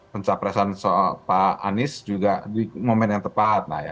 pencapresan pak anies juga di momen yang tepat